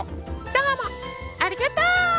どうもありがとう！